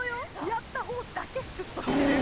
やった方だけシュッとしてる！